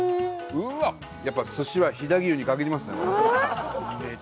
やっぱ寿司は飛騨牛に限りますね。